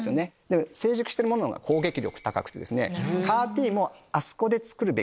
成熟してるものが攻撃力高くてＣＡＲ−Ｔもあそこで作るべきだと。